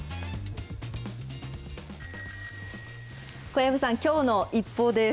小籔さん、きょうのＩＰＰＯＵです。